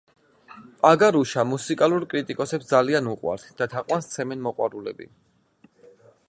პაგარუშა მუსიკალურ კრიტიკოსებს ძალიან უყვართ და თაყვანს სცემენ მოყვარულები.